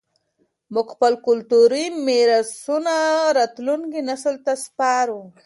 موږ خپل کلتوري میراثونه راتلونکي نسل ته سپارو.